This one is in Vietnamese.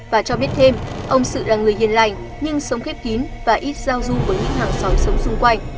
và cho biết thêm ông sự là người hiền lành nhưng sống khép kín và ít giao du với những hàng xóm sống xung quanh